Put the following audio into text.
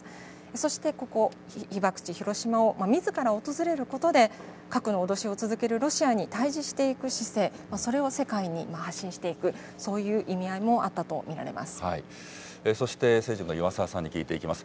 そしてここ、被爆地、広島をみずから訪れることで、核の脅しを続けるロシアに対じしていく姿勢、それを世界に発信していく、そういう意味合いもあったと見られまそして政治部の岩澤さんに聞いていきます。